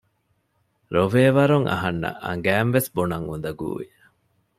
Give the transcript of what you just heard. ރޮވޭ ވަރުން އަހަންނަށް އަނގައިންވެސް ބުނަން އުނދަގޫވި